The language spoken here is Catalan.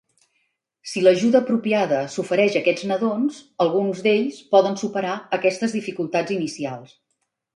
Si l'ajuda apropiada s'ofereix a aquests nadons, alguns d'ells poden superar aquestes dificultats inicials.